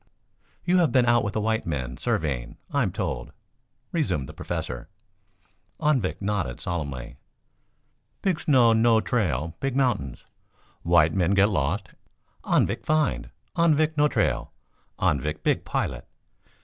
"You have been out with the white men surveying, I am told," resumed the Professor. Anvik nodded solemnly. "Big snow no trail big mountains. White men get lost. Anvik find, Anvik know trail. Anvik big pilot.